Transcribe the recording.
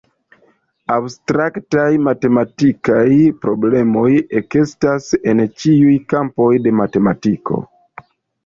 Abstraktaj matematikaj problemoj ekestas en ĉiuj kampoj de matematiko.